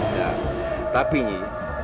nah tapi nyi